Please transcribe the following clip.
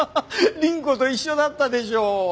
凛子と一緒だったでしょう。